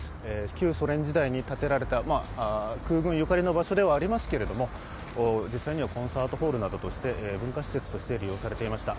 旧ソ連時代に建てられた空軍ゆかりの場所ではありますけれども、実際にはコンサートホールなどとして文化施設として利用されていました。